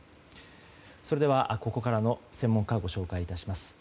それではここからの専門家をご紹介致します。